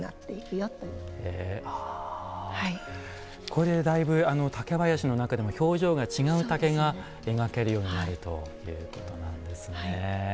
これでだいぶ竹林の中でも表情が違う竹が描けるようになるということなんですね。